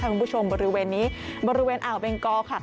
คุณผู้ชมบริเวณนี้บริเวณอ่าวเบงกอค่ะ